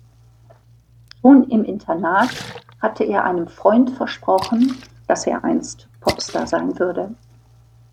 Schon im Internat hatte er einem Freund versprochen, dass er einst Popstar sein würde.